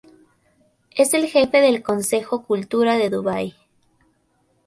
Es el jefe del Consejo Cultura de Dubái.